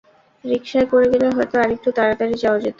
রিকশায় করে গেলে হয়তো আরেকটু তাড়াতাড়ি যাওয়া যেত!